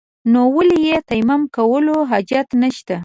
نو ولې يې تيمم کولو حاجت نشته.